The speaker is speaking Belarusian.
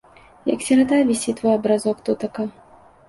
Як сірата, вісіць твой абразок тутака.